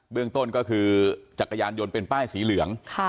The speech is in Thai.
เรื่องต้นก็คือจักรยานยนต์เป็นป้ายสีเหลือง